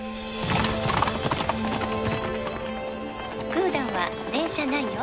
「クーダンは電車ないよ」